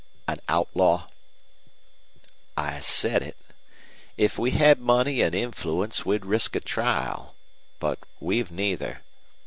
"An outlaw?" "I said it. If we had money an' influence we'd risk a trial. But we've neither.